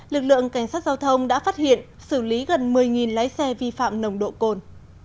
lực lượng cảnh sát giao thông đã phát hiện xử lý gần một mươi lái xe vi phạm nồng độ cồn